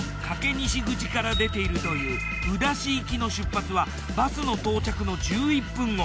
西口から出ているという宇陀市行きの出発はバスの到着の１１分後。